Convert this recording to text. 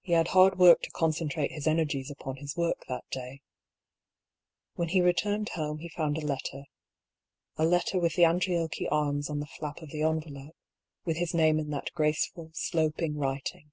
He had hard work to concentrate his energies upon his work that day. When he returned home he found a letter — a letter with the Andriocchi arms on the flap of the en velope, with his name in that graceful, sloping writing.